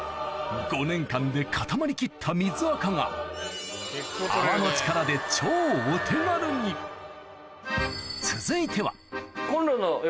５年間で固まりきった水アカが泡の力で超お手軽にはい。